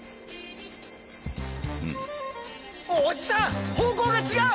おじさん方向が違う！